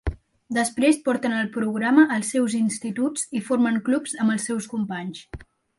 Després porten el programa als seus instituts i formen clubs amb els seus companys.